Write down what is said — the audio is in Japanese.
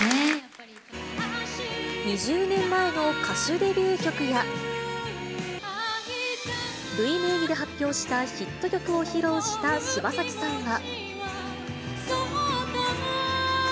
２０年前の歌手デビュー曲や、ＲＵＩ名義で発表したヒット曲を披露した柴咲さんは。